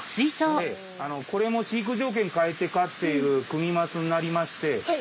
ええこれも飼育条件変えて飼っているクニマスになりまして。